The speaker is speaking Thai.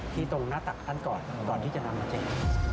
ตรงหน้าตักท่านก่อนก่อนที่จะนำมาแจ้ง